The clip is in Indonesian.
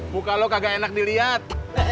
muka lo kagak enak dilihat